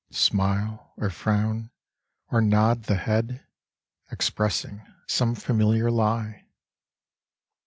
Smile, or frown, or nod the head, Expressing some familiar lie.